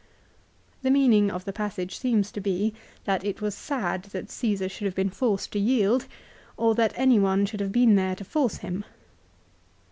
The meaning of the passage seems to be, that it was sad that Csesar should have been forced to yield, or that any one should have been there to force him.